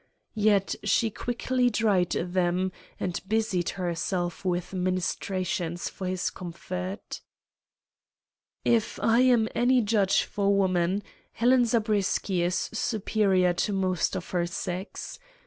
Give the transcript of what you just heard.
Yet she quickly dried them and busied herself with ministrations for his comfort. "If I am any judge of woman, Helen Zabriskie is superior to most of her sex.